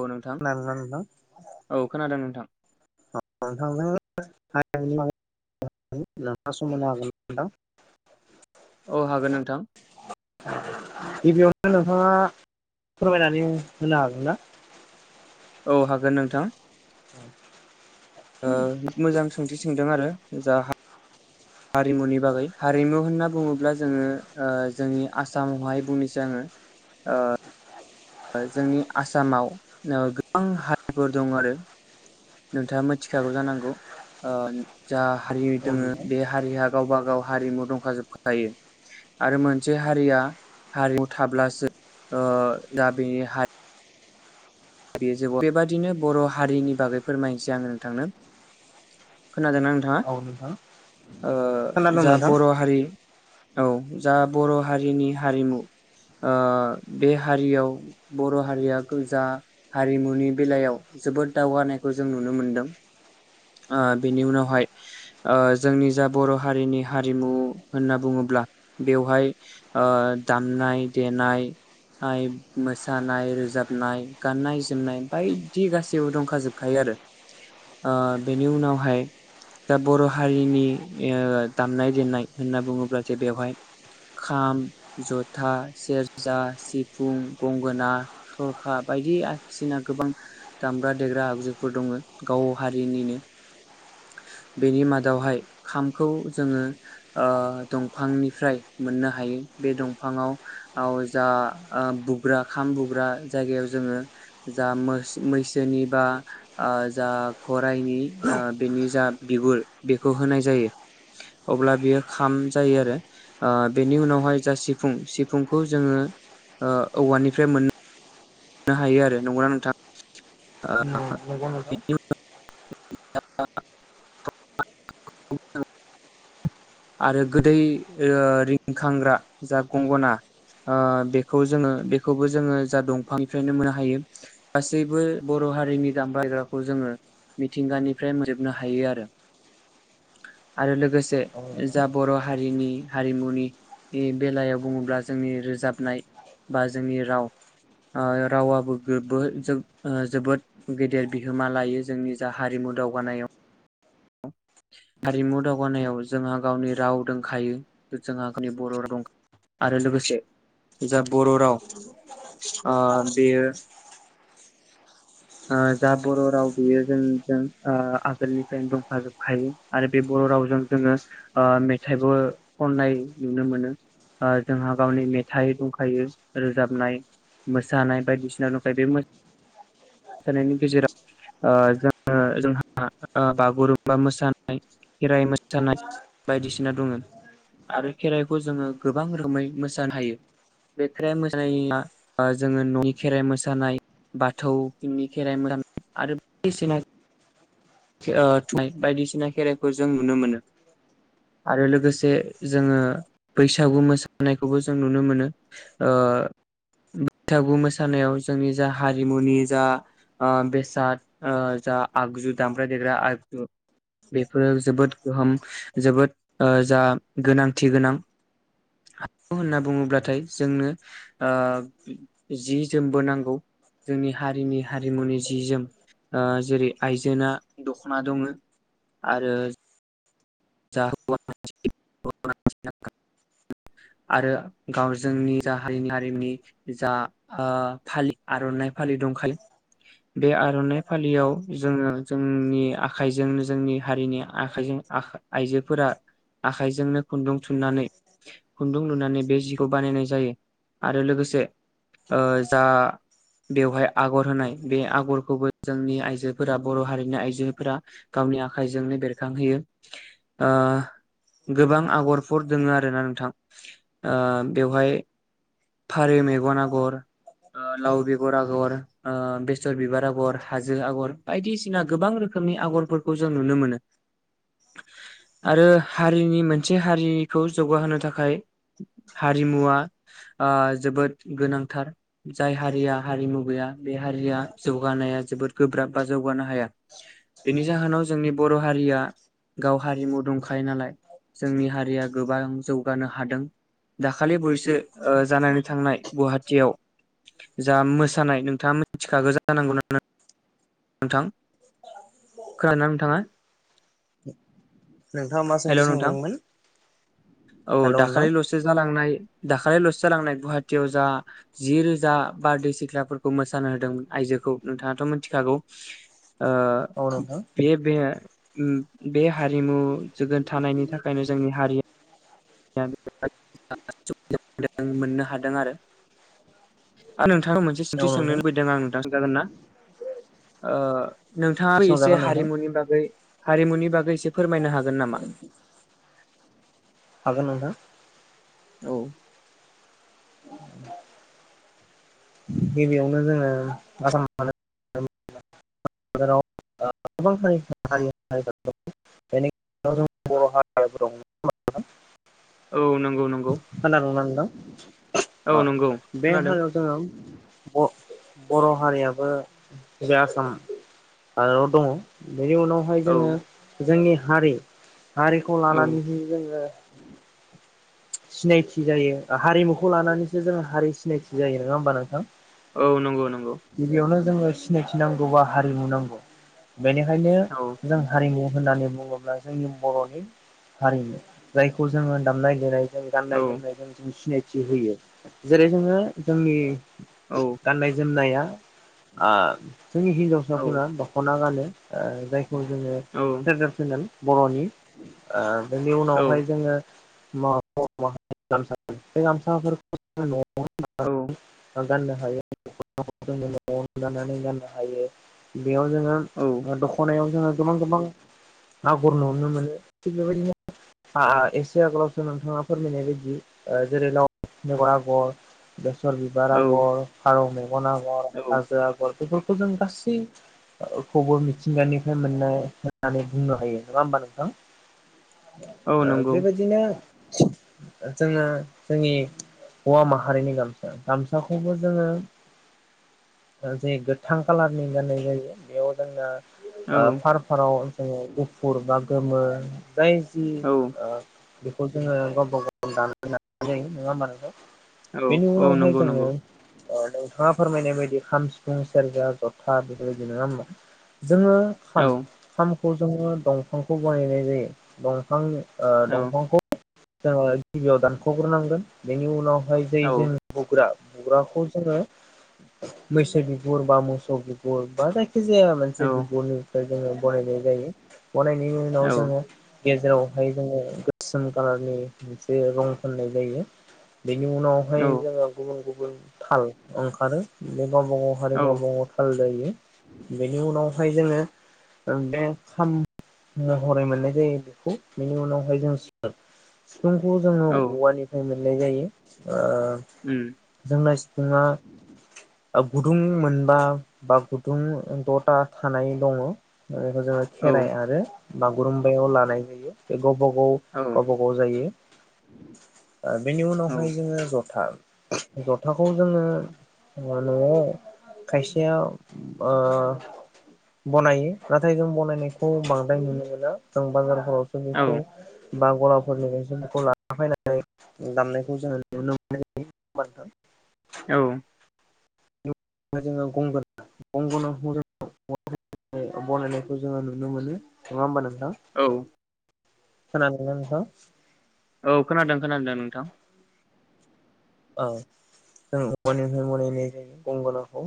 औ नोंथां खोनादोंना नोंथां औ खोनादों नोंथां । [inaudible] समायना हागोना नोंथां? औ हागोन नोंथां। गिबियावनो नोंथाङा फोरमायनानै होनो हागोनना? औ हागोन नोंथां। औ मोजां सोंथि सोंदों आरो। जा हा हारिमुनि बागै हारिमु होनना बुङोब्ला जोङो जोंनि आसामावहाय बुंनोसै आङो ओ जोंनि आसामाव गोबां हारिफोर दं आरो नोंथाङा मिथिखागौ जानांगौ ओ जा हारि औ दोङो नोंथां बे हारिया गावबा गाव हारिमु दंखाजोबखायो आरो मोनसे हारिया हारिमु थाब्लासो ओ दा बेनि हाय बे ज बेबादिनो बर' हारिनि बागै फोरमायनोसै आं नोंथांनो। खोनादोंना नोंथाङा औ नोंथां आं? खोनादों जा नोंथां बर' हारि औ जा बर' हा हारिनि हारिमु ओ बे हारियाव बर' हारिया गोजा हारिमुनि बेलायाव जोबोद दावगानायखौ जों नुनो मोनदों ओ बेनि उनावहाय ओ जोंनि जा बर' हारिनि हारिमु होनना बुङोब्ला बेवहाय ओ दामनाय देनाय, मोसानाय- रोजाबनाय गाननाय जोमनाय बायदि गासैबो दंखाजोबखायो आरो बेनि उनावहाय दा बर' हारिनि दामनाय देनाय होनना बुङोब्ला जे बेवहाय खाम, जथा, सेरजा, सिफुं, गंगोना, थरखाब बायदिसिना गोबां दामग्रा देग्रा आगजुफोर दङ गाव हारिनिनो बेनि मादावहाय खामखौ जोङो ओ दंफांनिफ्राय मोननो हायो बे दंफाङाव आव जा बुग्रा खाम बुग्रा जायगायाव जोङो जा मोस मैसोनि बा ओ जा गराइनि ओ बेनि जा बिगुर बेखौ होनाय जायो अब्ला बियो खाम जायो आरो ओ बेनि उनावहाय जा सिफुं सिफुंखौ जोङो औवानिफ्राय मोन नो हायो आरो नंगौना नोंथां नंगौ नोंथां [unintelligible] [unintelligible] आरो गोदै ओ रिंखांग्रा जा गंगना ओ बेखौ जोङो बेखौबो जोङो जा दं फां निफ्रायनो मोननो हायो गासैबो बर हारिनि दामग्रा देग्राखौ जोङो मिथिंगानिफ्राय मोनजोबनो हायो आरो आरो लोगो से औ नोंथां जा बर हारिनि हारिमुनि बेलायाव बुङोब्ला जोंनि रोजाबनाय बा जोंनि राव [unintelligible] रावाबो [unintelligible] जोबोद गेदेर बिहोमा लायो जोंनि जा हारिमु दावगानायाव अ हारिमु दावगानायाव जोंहा गावनि राव दंखायो जोंहा [unintelligible] आरो लोगोसे जा बर राव ओ बेयो ओ जा बर राव बेयो जोंजों ओ आगोलनिफ्रायनो दं [unintelligible] आरो बे बर रावजों जोङो ओ मेथाइबो खननाय नुनो मोनो ओ जोंहा गावनि मेथाइ दंखायो रोजाबनाय मोसानाय बायदिसिना दंखायो बे मोसानायनि गेजेराव ओ जोङो जोंहा ओ बागुरुम बा मोसानाय खेराइ मोसानाय बायदिसिना दङो आरो खेराइखौ जोङो गोबां रोखोमै मोसानो हायो बे खेराइ मोसानाया ओ जोङो ननि खेराइ मोसानाय बाथौनि खेराइ मोसानाय आरो बायदिसिना [unintelligible] ओ [unintelligible] बायदिसिना खेराइखौ जों नुनो मोनो आरो लोगोसे जोङो बैसागु मोसानायखौबो जों नुनो मोनो ओ बैसागु मोसानायाव जोंनि जा हारिमुनि जा ओ बेसाद ओ जा आगजु दामग्रा देग्रा आ जु बेफोरो जोबोद गोहोम जोबोद ओ जा गोनांथि गोनां [unintelligible] होनना बुङोब्लाथाय जोंनो ओ जि जोमबो नांगौ जोंनि हारिनि हारिमुनि जि जोम ओ जेरै आइजोना दख ना दङो आरो [unintelligible] आरो गाव जोंनि जा [unintelligible] जा ओ फालि आरनाइ फालि दंखायो बे आरनाइ फालियाव जोङो जोंनि [unintelligible] आखाइजों आखा आइजोफोरा आखाइजोंनो खुन्दुं थुननानै खुन्दुं लुनानै बे जिखौ बानायनाय जायो आरो लोगोसे ओ जा बेवहाय आगर होनाय बे आगरखौबो जोंनि आइजोफोरा बर हारिनि आइजो फोरा गावनि आखाइजोंनो बेरखांहोयो ओ गोबां आगरफोर दोङो आरोना नोंथां ओ बेवहाय फारौ मेगन आगर ओ लाव बेगर आगर ओ बेसर बिबार आगर हाजो आगर बायदिसिना गोबां रो खोमनि आगरफोरखौ जों नुनो मोनो आरो हारिनि मोनसे हारिखौ जौगाहोनो थाखाय हारिमुवा आ जोबोद गोनांथार जाय हारिया हारिमु गैया बे हारिया जौगानाया जोबोद गोब्राब बा जौगानो हाया बेनि जाहोनाव जोंनि बर हारिया गाव हारिमु दंखायो नालाय जोंनि हारिया गोबां जौगानो हादों दाखालि बयोसो ओ जानानै थांनाय गुवाहा टियाव जा मोसानाय नोंथाङा मिथिखागौ जानांगौ ना नोंथां खोनादोना नोंथाङा नोंथाङा मा सोंथि हेलौ नोंथां सोंदोंमोन औ हेल' नोंथां दाखालिलसो जालांनाय दाखालि लसो जालांनाय गुवाहाटियाव जा जि रोजा बारदै सिख्लाफोरखौ मोसानो होदोंमोन आइजोखौ नोंथाङाथ मिथिखागौ‌ ओ औ नोंथां [unintelligible] उम बे हारिमु [unintelligible] थानायनि थाखायनो जोंनि हारिया [unintelligible] मोननो हादों आरो आं नोंथांनाव मोनसे सोंथि औ सोंनो नोंथां लुबैदों आं नोंथाङा खोनथागोन ना नोंथाङाबो एसे सोंजागोन नोंथां हारिमुनि बागै हारिमुनि बागै एसे फोरमायनो हागोन नामा। हागोन नोंथां। औ। गिबियावनो जोङो आसा [unintelligible] [unintelligible] औ नंगौ नंगौ खोनादोंना नोंथां औ अ नंगौ बे खोनादों हालायाव जोङो ब बर' हारियाबो बे आसाम‌ [unintelligible] दङ। बेनि उनावहाय औ जोङो जोंनि हारि हारिखौ औ लानानैदि जोङो सिनायथि जायो हारिमुखौ लानानैसो जों हारि सिनायथि जायो नङा होमबा नोंथां। औ नंगौ नंगौ। गिबियावनो जोङो सिनायथि नांगौ बा हारिमु नांगौ। बेनिखायनो औ जों हारिमु होननानै बुङोब्ला जोंनि बर'नि हारिमु जायखौ जोङो दामनाय देनाय जों औ गाननाय जोमनाय जों जि सिनाय होयो जेरै जोङो जोंनि औ गाननाय जोमनाया आ। जोंनि औ हिन्जावसाफोरा दख'ना गानो ओ जाय खौ जोङो औ [unintelligible] फेनेल बर'नि आ बेनि औ उनावहाय जोङो मा। औ [unintelligible] [inaudible] गाननो हायो जोङो नआवनो दानानै गाननो हायो। बेयाव जोङो दखनायाव जोङो गोबां गोबां न गुर नुनो मोनो थिख बेबायदिनो एसे आगोलावसो नाङा फोरमायनाय बायदि जेरै लाव बगर आगर बेसर बिबार औ आगर फारौ मेग [unintelligible] खौ औ जों गासैखौबो मिथिंगानिफ्राय मोननाय होननानै बुंनो हायो नङा होमबा नोंथां। औ ओ नंगौ बेबायदिनो जोङो जोंनि हौवा माहारिनि गामसा गामसाखौबो जोङो ओ जे गोथां खालारनि गाननाय जायो। बेयाव जोंना औ आ फार फाराव जोङो गुफुर बा गोमो जाय जि औ ओ [inaudible] खौ जोङो गावबा गाव दानानै लानाय जायो। नङा होमबा नोंथां? औ बेनि औ उनावहाय नंगौ जोङो नंगौ ओ नोंथाङा फोरमायनाय बायदि खाम, सिफुं, सेरजा, जथा बेफोरबायदि नङा होनबा? जोङो औ खाम। खाम खौ जोङो दंफांखौ बानायनाय जायो। दंफांनि ओ औ दंफांखौ जोङो गिबियाव दानखग्रोनांगोन बेनि उनाव ऐ जै औ जों बुग्रा बुग्राखौ जोङो मैसो बिगुर बा मोसौ बिगुर बा जाय खिजाया मोनसे बिगुरनिफ्राय जोङो बनायनाय जायो। बनायनायनि औ उनाव जोङो गेजेरावहाय जोङो गो सोम कालारनि मोनसे जे रं फोननाय जायो। बेनि औ उनावहाय जोङो गुबुन गुबु बुनथाल अंखारो। गावबा गाव हारि गावबा गाव थाल दायो। बेनि उनावहाय जोङो ओ बे खाम महरै मोननाय जायो बेखौ। बेनि उनावहाय जों [inaudible] सिफुंखौ जोङो औ औवानिफ्रायनो मोननाय जायो उम ओ जोंना सि फुंआ गुदुं मोनबा बा गुदुं दथा थानाय दङ'। ओ बेखौ जोङो औ खेराइ आरो बागुरुम्बायाव लानाय जायो। बेखौ गावबा गाव औ गावबा गाव जायो। [inaudible] ओ बेनि उनावहाय जोङो जथा जथाखौ जोङो न'आव खायसेया ओ बनायो। नाथाय जों बनायनायखौ बांद्राय नुनो मोना। जों बाजार थाआवसो औ बबेखौ बा गलाबफोरनि गायसनफोरखौ लाना फैनानै दामनायखौ जोङो नुनो मोननाय औ जोङो गंगना-गंगना बनायनायखौ जोङो नुनो मोनो नङा होमबा नों औ खोनादोंना नोंथां औ खोनादों खोनादों नोंथां जों औवानिफ्राय मनायनाय जायो गंगनाखौ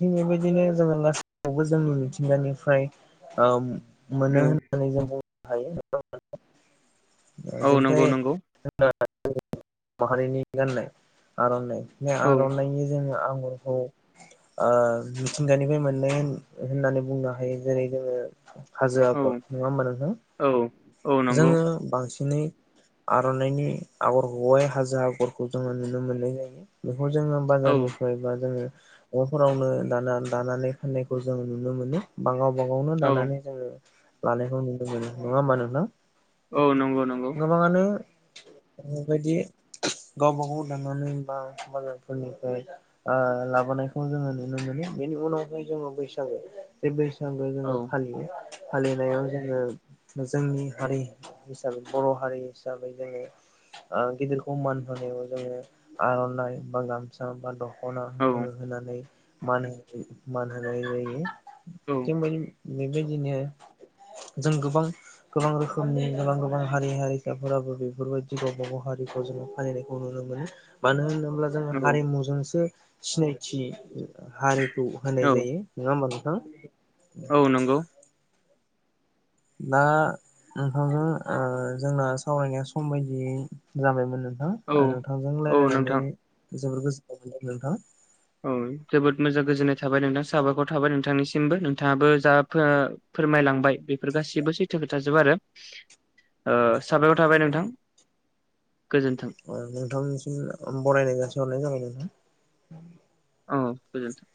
थिग बेबायदिनो जोङो लासवबो जोंनि मिथिंगानिफ्राय मोनो औ होननानै जों बुं हायो औ जेफ्राय नंगौ नंगौ माहारिनि गाननाय आरनाय बे औ आर'नाइनि जोङो आं मिथिंगानिफ्राय ओ मोननाय होननानै बुंनो हायो जेरै जोङो हाजो आगर औ नङा होमबा नोंथां औ औ नंगौ जोङो बांसिन नै आर'नाइनि आगर हाइ हाजो आगरखौ जोङो नुनो मोननाय जायो। बेखौ जोङो औ बाजारनिफ्राय बा जोङो न'फोरावनो दा दानानै फाननायखौ जों नुनो मोनो बाङो न'आवनो औ दानानै जोङो लानायखौ नुनो मोनो नङा होमबा नोंथां औ नंगौ नंगौ गोबाङानो बेबायदि गावबा गाव दांनानै बा बाजारफोरनिफ्राय लाबोनायखौ जोङो नुनो मोनो बेनि उनावहाय जोङो बैसागु बेै जोङो औ जोङो फालियो फालिनायाव जोङो जोंनि हारि हिसाबै बर' हारि हिसाबै जोङो ओ गिदिरखौ मान होनायाव जोङो आर'नाइ बा गामसा बा द'ख खना औ जोङो होनानै मान होनाय जायो। औ जों बै बेबायदिनो जों गोबां गोबां रोखोमनि गोबां गोबां हारि हारिखाफोराबो बेफोरबायदि गावबा गाव हारिखौ जोङो फालिनायखौ नुनो मोनो मानो होनोब्ला ब्ला जोङो हारिमुजोंसो सिनायथि हारिखौ होनाय औ जायो नङा होमबा हो औ नंगौ दा नोंथांजों ओ जोंना सावरायनाया सम बायदियै जाबायमोन नों थां औ नोंथांजों औ रायलायनानै नोंथां जोबोर गोजोन्नाय मोनदों नोंथां औ जोबोद मोजां गोजोननाय थाबाय नोंथां साबायखर थाबाय नोंथांनिसिमबो नोंथाङाबो जा फो-फोरमायलांबाय बेफोर गासिबो सैथो खोथाजोब आरो ओ साबायखर थाबाय नोंथां गोजोन्थों अ नोंथांनिसिम बरायनाय जासि हरनाय जाबाय नों [inaudible] औ गोजोनथों